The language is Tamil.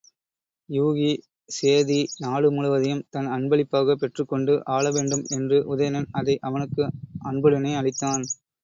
யூகி, சேதி நாடு முழுவதையும் தன் அன்பளிப்பாகப் பெற்றுக்கொண்டு ஆளவேண்டும் என்று உதயணன் அதை அவனுக்கு அன்புடனே அளித்தான்.